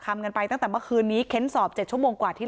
ทำกันไปตั้งแต่เมื่อคืนนี้เค้นสอบ๗ชั่วโมงกว่าที่